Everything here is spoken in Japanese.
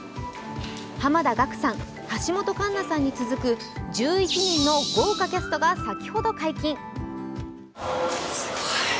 濱田岳さん、橋本環奈さんに続く１１人の豪華キャストが先ほど解禁。